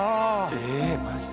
ええマジで？